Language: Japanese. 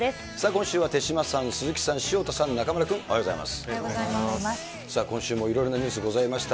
今週は、手嶋さん、鈴木さん、潮田さん、おはようございます。